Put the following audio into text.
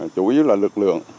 chủ yếu là lực lượng